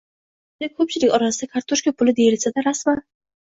Haligacha ko‘pchilik orasida “kartoshka puli” deyilsada rasman